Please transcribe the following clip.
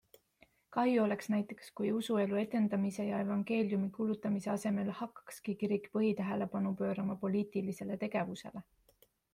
Kahju oleks näiteks, kui usuelu edendamise ja evangeeliumi kuulutamise asemel hakkakski kirik põhitähelepanu pöörama poliitilisele tegevusele.